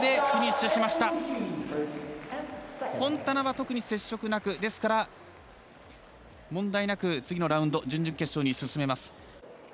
フォンタナは特に接触なくですから問題なく次のラウンド準々決勝に進めます。